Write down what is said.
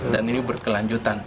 dan ini berkelanjutan